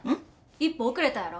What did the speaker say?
１歩遅れたやろ。